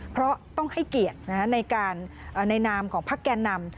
เพราะต้องให้เกียรติในนามของพักแก่นำ